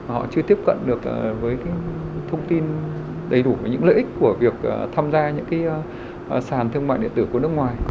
họ chưa tiếp cận được với cái thông tin đầy đủ về những lợi ích của việc tham gia những cái sàn thương mại điện tử của nước ngoài